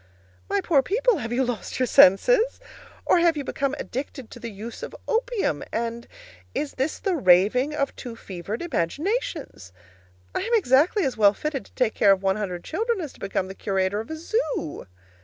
My poor people, have you lost your senses, or have you become addicted to the use of opium, and is this the raving of two fevered imaginations? I am exactly as well fitted to take care of one hundred children as to become the curator of a zoo.